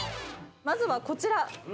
まずはこちら。